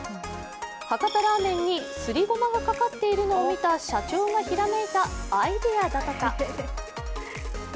博多ラーメンにすりごまがかかっているのを見た社長がひらめいたアイデアだとか。